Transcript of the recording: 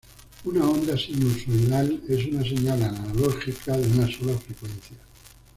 Una onda sinusoidal es una señal analógica de una sola frecuencia.